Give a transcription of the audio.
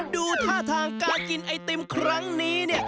ดูท่าทางการกินไอติมครั้งนี้เนี่ย